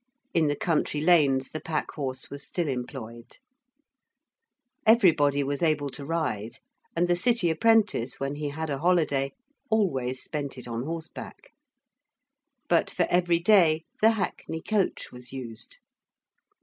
In the country lanes the pack horse was still employed. Everybody was able to ride, and the City apprentice, when he had a holiday, always spent it on horseback. But for everyday the hackney coach was used.